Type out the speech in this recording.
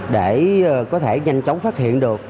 để có thể nhanh chóng phát hiện được